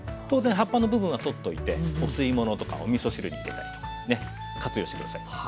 当然葉っぱの部分はとっといてお吸い物とかおみそ汁に入れたりとか。ね活用してください。